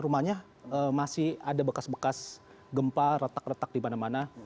rumahnya masih ada bekas bekas gempa retak retak di mana mana